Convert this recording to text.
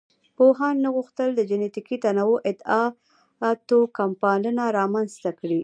پوهانو نه غوښتل د جینټیکي تنوع ادعا توکمپالنه رامنځ ته کړي.